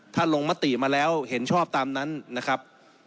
ถ้าลงมติมาแล้วเห็นชอบตามนั้นนะครับ